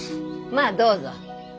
まあどうぞ。